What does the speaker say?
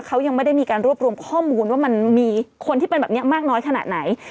เขายังไม่ได้มีการรวบรวมข้อมูลว่ามันมีคนที่เป็นแบบนี้มากน้อยขนาดไหน